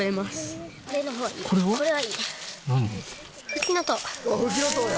ふきのとうや！